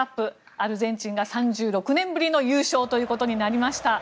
アルゼンチンが３６年ぶりの優勝になりました。